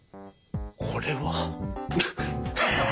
これは。